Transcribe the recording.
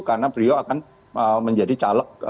karena beliau akan menjadi caleg